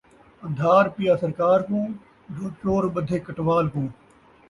ان٘دھار پیا سرکار کوں جو چور ٻدھے کٹوال کوں